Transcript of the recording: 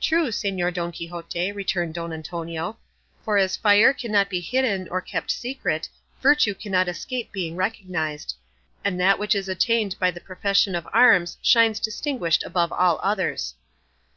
"True, Señor Don Quixote," returned Don Antonio; "for as fire cannot be hidden or kept secret, virtue cannot escape being recognised; and that which is attained by the profession of arms shines distinguished above all others."